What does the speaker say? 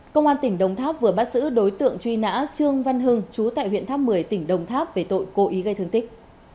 công an tỉnh đồng tháp vừa bắt giữ đối tượng truy nã trương văn hưng chú tại huyện tháp một mươi tỉnh đồng tháp về tội cố ý gây thương tích